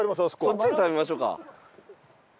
そっちで食べましょうか。